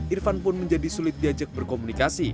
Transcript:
irfan pun menjadi sulit diajak berkomunikasi